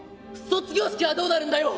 卒業式はどうなるんだよ。